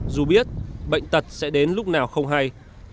dù biết bệnh tật sẽ đến lúc nào không hay